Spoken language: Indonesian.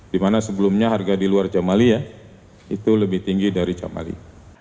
di mana sebelumnya harga di luar jawa bali itu lebih tinggi dari jawa bali